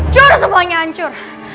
curah semuanya ancur